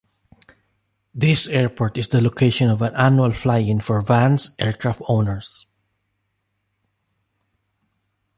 This airport is the location of an annual fly-in for Van's aircraft owners.